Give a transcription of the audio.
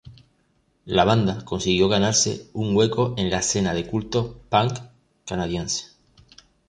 La banda consiguió ganarse un hueco en la escena de culto punk canadiense.